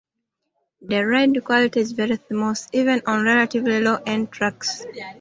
The ride quality is very smooth, even on relatively low-end tracks.